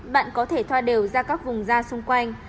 bạn có thể thoa đều ra các vùng ra xung quanh